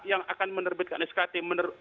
yang akan menerbitkan skt